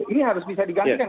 ini harus bisa digantikan